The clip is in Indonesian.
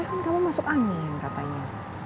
kan kamu masuk angin katanya